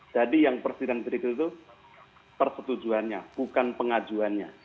jadi yang persidangan berikut itu persetujuannya bukan pengajuannya